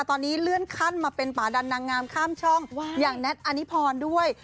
ตอนนี้เลื่อนขั้นมาเป็นป่าดันนางงามข้ามช่องอย่างแท็ตอนิพรด้วย